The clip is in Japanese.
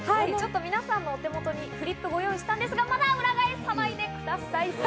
皆さんのお手元にフリップをご用意したんですが、まだ裏返さないでください。